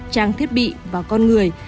trang thiết bị và con người